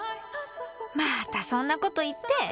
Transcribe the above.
またそんなこと言って。